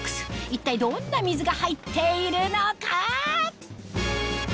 一体どんな水が入っているのか？